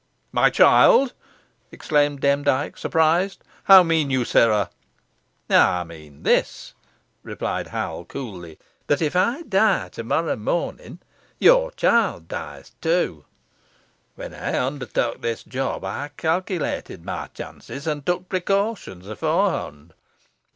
"My child!" exclaimed Demdike, surprised. "How mean you, sirrah?" "Ey mean this," replied Hal, coolly; "that if ey dee to morrow mornin' your chilt dees too. Whon ey ondertook this job ey calkilated mey chances, an' tuk precautions eforehond.